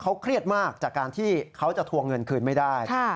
เขาเครียดมากจากการที่เขาจะทวงเงินคืนไม่ได้